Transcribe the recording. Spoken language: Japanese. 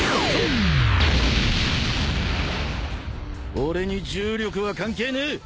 俺に重力は関係ねえ。